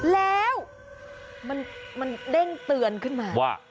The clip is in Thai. แล้วมันเด้งเตือนขึ้นมาว่า